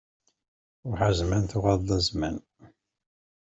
Ṛuḥ a zzman, tuɣaleḍ-d a zzman!